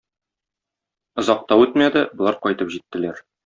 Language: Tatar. Озак та үтмәде, болар кайтып җиттеләр.